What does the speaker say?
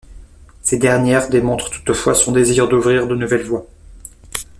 Ces dernières démontrent toutefois son désir d'ouvrir de nouvelles voies.